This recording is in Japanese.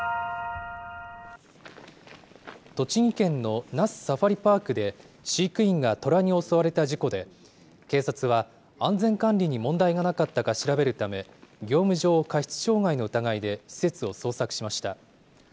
栃木県の那須サファリパークで飼育員が虎に襲われた事故で、警察は、安全管理に問題がなかったか調べるため、業務上過失傷害の疑いで、施設を捜索しました。